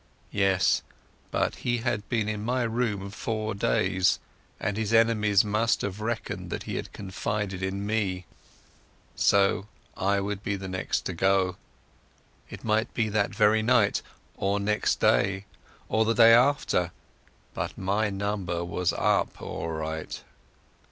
Yes; but he had been in my rooms four days, and his enemies must have reckoned that he had confided in me. So I would be the next to go. It might be that very night, or next day, or the day after, but my number was up all right.